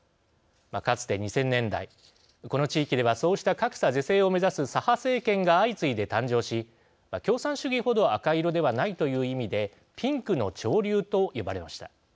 かつて２０００年代この地域ではそうした格差是正を目指す左派政権が相次いで誕生し共産主義ほど赤色ではないという意味でピンクの潮流と呼ばれました。